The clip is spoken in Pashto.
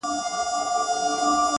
مثبت چلند د سختیو فشار کموي!.